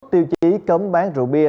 tiêu chí cấm bán rượu bia